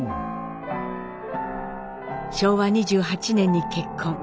昭和２８年に結婚。